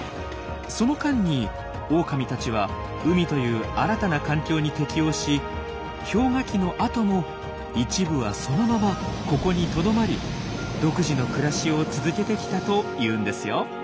その間にオオカミたちは海という新たな環境に適応し氷河期の後も一部はそのままここにとどまり独自の暮らしを続けてきたというんですよ。